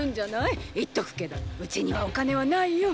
言っとくけどウチにはお金はないよ。